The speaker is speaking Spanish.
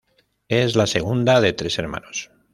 Es la segunda de tres hermanos.